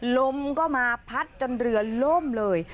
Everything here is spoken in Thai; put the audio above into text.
ลมก็มาพัดจนเรือล่มเลย